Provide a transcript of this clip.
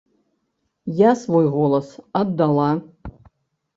Я свой голас аддала.